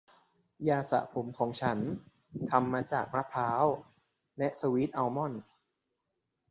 ยาสระผมของฉันทำมาจากมะพร้าวและสวีทอัลมอนด์